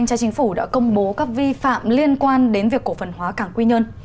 tra chính phủ đã công bố các vi phạm liên quan đến việc cổ phần hóa cảng quy nhơn